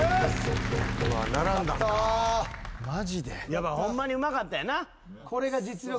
やっぱホンマにうまかったんやな。